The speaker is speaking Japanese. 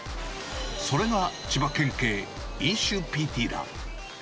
それが千葉県警飲酒ＰＴだ。